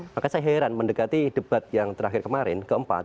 maka saya heran mendekati debat yang terakhir kemarin keempat